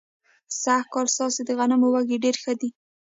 سږ کال ستاسو د غنمو وږي ډېر ښه دي.